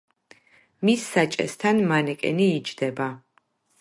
მის საჭესთან მანეკენი იჯდება.